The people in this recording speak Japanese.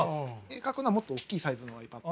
描くのはもっと大きいサイズのｉＰａｄ。